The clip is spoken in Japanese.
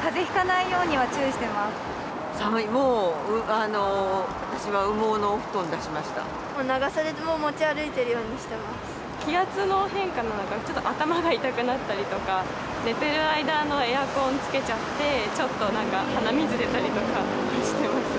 かぜひかないようには注意してま寒い、長袖を持ち歩いてるようにし気圧の変化なのか、ちょっと頭が痛くなったりとか、寝てる間のエアコンつけちゃって、ちょっとなんか鼻水出たりとかしてますね。